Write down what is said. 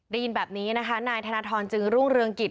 ได้ยินแบบนี้นะคะนายธนทรจึงรุ่งเรืองกิจ